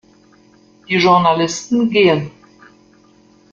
Die Journalisten gehen.